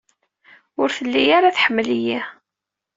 Ur telli ara tḥemmel-iyi.